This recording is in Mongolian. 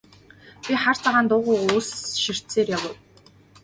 Би хар цагаан дуугүй ус ширтсээр явав.